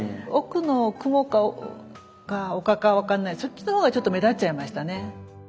奥の雲か丘か分かんないそっちの方がちょっと目立っちゃいましたね。